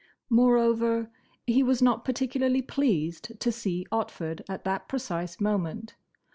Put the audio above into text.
Moreover, he was not particularly pleased to see Otford at that precise moment.